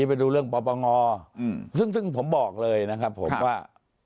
ไปดูเรื่องปปงซึ่งผมบอกเลยนะครับผมว่า